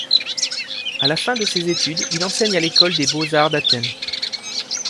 À la fin de ses études, il enseigne à l'École des beaux-arts d'Athènes.